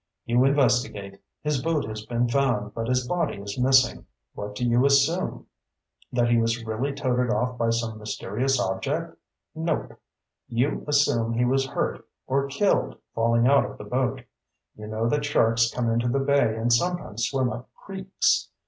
You investigate. His boat has been found, but his body is missing. What do you assume? That he was really toted off by some mysterious object? Nope. You assume he was hurt or killed falling out of the boat. You know that sharks come into the bay and sometimes swim up creeks.